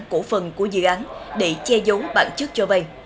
cổ phần của dự án để che giấu bản chất cho vay